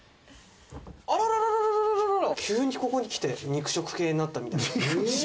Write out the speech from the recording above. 急にここに来て、肉食系になった。